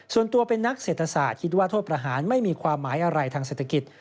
ส่วนตัวเป็นนักเศรษฐศาสตร์คิดว่าโทษประหารไม่มีความหมายอะไรทางเศรษฐกิจ